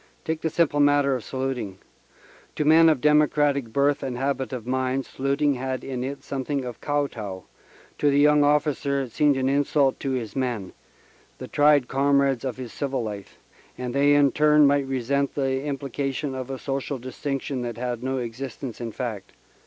Take the simple matter of saluting. To men of democratic birth and habit of mind, saluting had in it something of kow tow to the young officer it seemed an insult to his men, the tried comrades of his civil life, and they in turn might resent the implication of a social distinction that had no existence in fact.